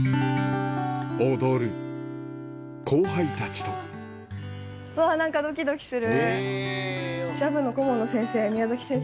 踊る後輩たちとわ何かドキドキする。